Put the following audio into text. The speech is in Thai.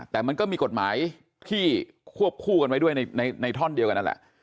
แต่มันก็มีกฎหมายที่ควบคู่กันไว้ด้วยในท่อนเดียวกันนั่นแหละ